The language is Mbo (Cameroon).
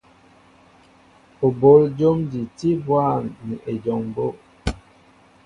Ó bol jǒm ji é tí bwâm ni ejɔŋ mbó'.